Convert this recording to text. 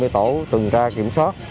hai mươi tổ tuần tra kiểm soát